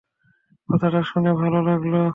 কথাটা শুনে ভালো লাগলো!